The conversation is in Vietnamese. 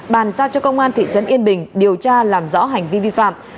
bàn giao cho công an thị trấn yên bình điều tra làm rõ hành vi vi phạm